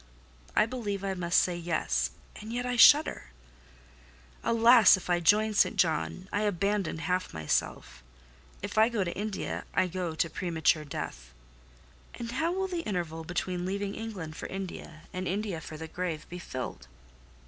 I believe I must say, Yes—and yet I shudder. Alas! If I join St. John, I abandon half myself: if I go to India, I go to premature death. And how will the interval between leaving England for India, and India for the grave, be filled?